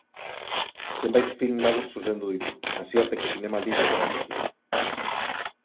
Zenbait film labur zuzendu ditu, nazioarteko zinemalditan erakutsiak.